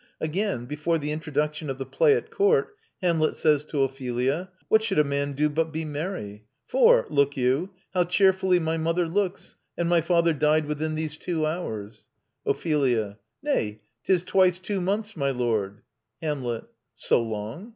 Again, before the introduction of the play at court, Hamlet says to Ophelia: "What should a man do but be merry? for, look you, how cheerfully my mother looks, and my father died within these two hours. Ophelia: Nay, 'tis twice two months, my lord. Hamlet: So long?